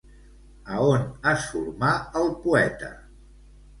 A on es formà el poeta?